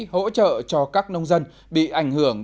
hỗ trợ cho các nông dân bị ảnh hưởng